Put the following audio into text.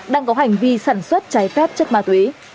đang có hành vi sản xuất cháy phép chất ma túy